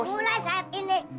untuk mencari pembahan hidup